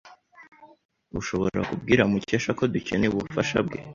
Ushobora kubwira Mukesha ko dukeneye ubufasha bwe?